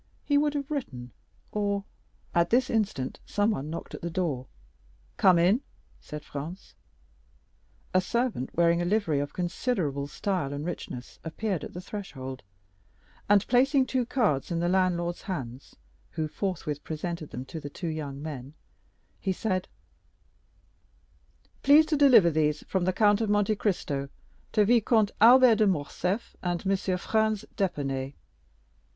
He would have written—or——" At this instant someone knocked at the door. "Come in," said Franz. A servant, wearing a livery of considerable style and richness, appeared at the threshold, and, placing two cards in the landlord's hands, who forthwith presented them to the two young men, he said: "Please to deliver these, from the Count of Monte Cristo to Vicomte Albert de Morcerf and M. Franz d'Épinay.